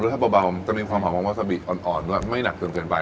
ถ้าเบามันจะมีความหอมของตะวิออ่อนด้วยอะไม่นักเกินไปใช่